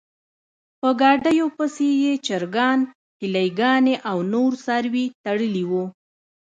په ګاډیو پسې یې چرګان، هیلۍ ګانې او نور څاروي تړلي و.